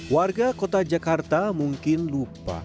warga kota jakarta mungkin lupa